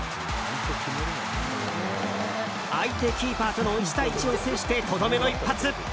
相手キーパーとの１対１を制してとどめの一発。